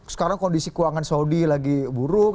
sekarang kondisi keuangan saudi lagi buruk